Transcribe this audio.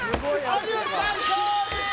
有吉さん勝利！